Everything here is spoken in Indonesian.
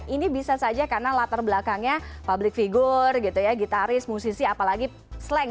ini bisa saja karena latar belakangnya public figure gitu ya gitaris musisi apalagi slang